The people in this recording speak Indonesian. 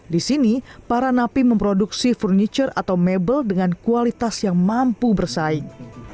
di sini para napi memproduksi furniture atau mebel dengan kualitas yang mampu bersaing